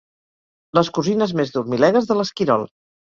Les cosines més dormilegues de l'esquirol.